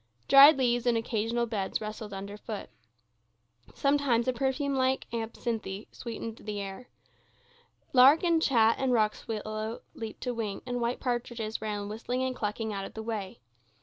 Dried leaves in occasional beds rustled underfoot. Sometimes a perfume like absinthe sweetened all the air. Lark and chat and rock swallow leaped to wing, and white partridges ran whistling and clucking out of the way.